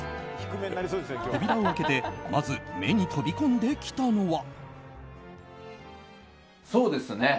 扉を開けてまず、目に飛び込んできたのは。